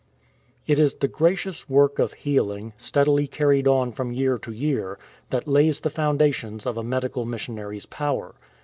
It is the gracious work of healing, steadily carried on from year to year, that lays the foundations of a medical missionary ""s power.